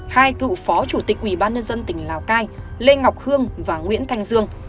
hai cựu phó chủ tịch ubnd tỉnh lào cai lê ngọc hương và nguyễn thanh dương